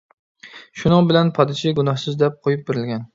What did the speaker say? شۇنىڭ بىلەن، پادىچى گۇناھسىز دەپ قويۇپ بېرىلگەن.